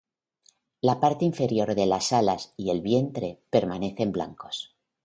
La parte inferior de las alas y el vientre permanecen blancos.